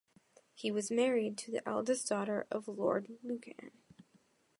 He was married to the eldest daughter of Lord Lucan.